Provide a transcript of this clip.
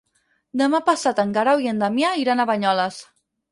Demà passat en Guerau i en Damià iran a Banyoles.